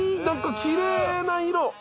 なんかきれいな色！